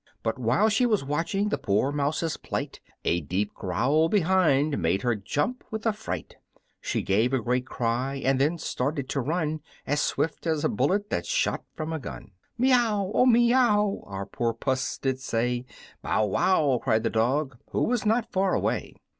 But while she was watching the poor mouse's plight, A deep growl behind made her jump with affright; She gave a great cry, and then started to run As swift as a bullet that's shot from a gun! "Meow! Oh, meow!" our poor Puss did say; "Bow wow!" cried the dog, who was not far away.